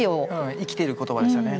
生きてる言葉でしたよね。